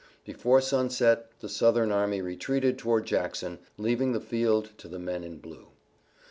Before sunset the Southern army retreated toward Jackson, leaving the field to the men in blue.